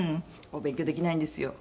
「お勉強できないんですよ」